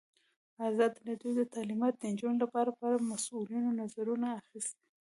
ازادي راډیو د تعلیمات د نجونو لپاره په اړه د مسؤلینو نظرونه اخیستي.